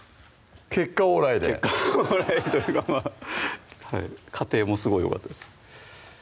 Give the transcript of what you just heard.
結果オーライで結果オーライというかまぁ過程もすごいよかったです